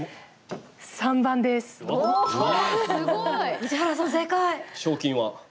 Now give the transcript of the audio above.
宇治原さん、正解。